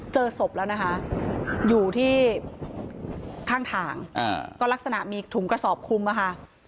เจอศพแล้วนะคะอยู่ที่ข้างทางก็ลักษณะมีถุงกระสอบคุมอะค่ะ